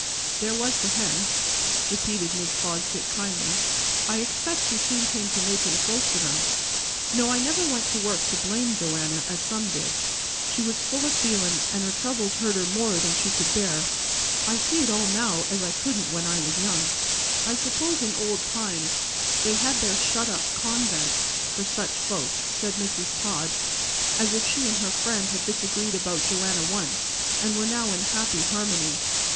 "There was the hens," repeated Mrs. Fosdick kindly. "I expect she soon came to makin' folks o' them. No, I never went to work to blame Joanna, as some did. She was full o' feeling, and her troubles hurt her more than she could bear. I see it all now as I couldn't when I was young." "I suppose in old times they had their shut up convents for just such folks," said Mrs. Todd, as if she and her friend had disagreed about Joanna once, and were now in happy harmony.